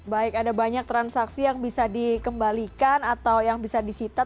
baik ada banyak transaksi yang bisa dikembalikan atau yang bisa disita